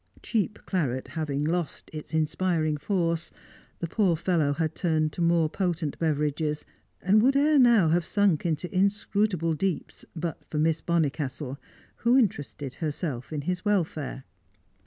Cheap claret having lost its inspiring force, the poor fellow had turned to more potent beverages, and would ere now have sunk into inscrutable deeps but for Miss Bonnicastle, who interested herself in his welfare.